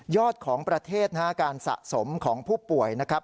ของประเทศนะฮะการสะสมของผู้ป่วยนะครับ